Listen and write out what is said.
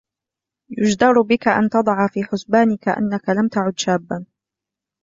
يجدر بك أن تضع في حسبانك أنك لم تعد شابا.